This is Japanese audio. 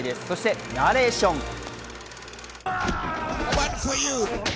そしてナレーション。